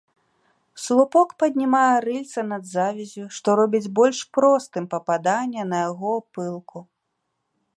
Слупок паднімае рыльца над завяззю, што робіць больш простым пападанне на яго пылку.